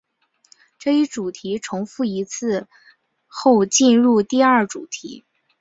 这一主题重复一次后进入第二主题。